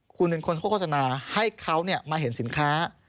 คุณหนึ่งคนโฆษณาให้เขาเนี่ยมาเห็นสินค้า